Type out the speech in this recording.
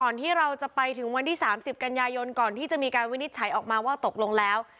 ที่เราจะไปถึงวันที่๓๐กันยายนก่อนที่จะมีการวินิจฉัยออกมาว่าตกลงแล้ว